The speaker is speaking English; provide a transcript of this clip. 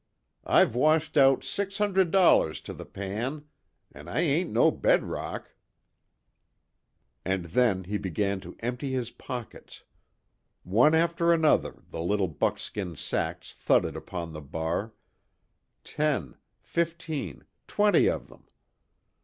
I've washed out six hundred dollars to the pan! An' I ain't to bed rock!" And then he began to empty his pockets. One after another the little buckskin sacks thudded upon the bar ten fifteen twenty of them.